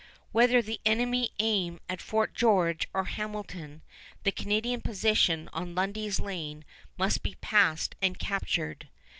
Whether the enemy aim at Fort George or Hamilton, the Canadian position on Lundy's Lane must be passed and captured.